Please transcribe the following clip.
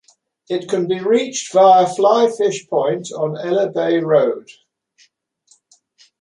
It can be reached via Fly Fish Point on Ella Bay Road.